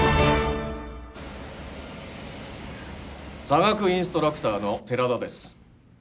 座学インストラクターの寺田です。